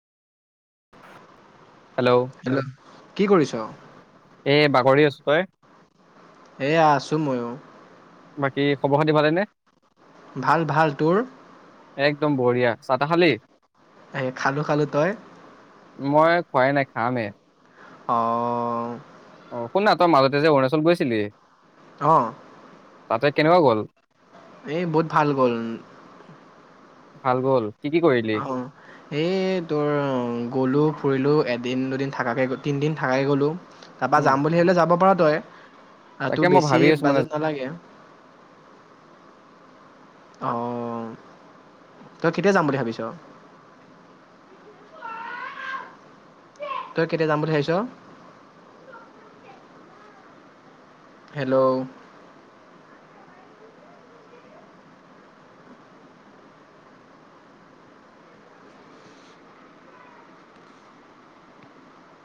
Hello কি কৰিছ? এই বাগৰি আছো। প এয়া আছোঁ ময়ো। বাকী খবৰ খাতি ভালেনে? ভাল ভাল তোৰ। একদম বঢ়িয়া চাহ টা খালি এ খালো খালো তই মই খোৱাই নাই খামে আহ! অ' শুন না তই মাজতে যে অৰুণাচল গৈছিলি অ' তাতে কেনেকুৱা গ'ল। এ বহুত ভাল গ'ল। ভাল গ'ল, কি কি কৰিলি অ' এই তোৰ গলো ফুৰিলো। দিন দুদিন থাকৈ তিনিদিন থাকাই গ'লোঁ। তাৰপা উম যাম বুলি আহিলে যাব পাৰ। তয় আঃ তাকে টোৰ মই বেছি ভাবি আছো মানে বাজেট নালাগে। অ' তই কেতিয়া যাম বুলি ভাবিছ? তই কেতিয়া যাম বুলি ভাবিছ? হেল্ল'